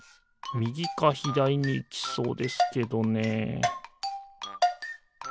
みぎかひだりにいきそうですけどね